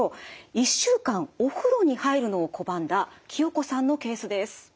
１週間お風呂に入るのを拒んだ清子さんのケースです。